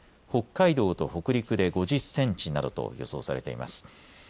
北海道と北陸で５０センチなどと予想されています。